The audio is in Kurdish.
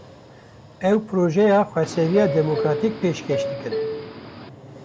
Ew, projeya xweseriya demokratîk pêşkêş dikin